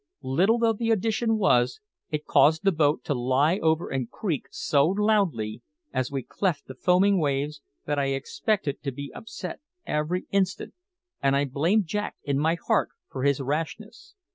Little though the addition was, it caused the boat to lie over and creak so loudly, as we cleft the foaming waves, that I expected to be upset every instant; and I blamed Jack in my heart for his rashness.